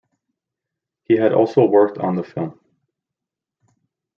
He had also worked on the film.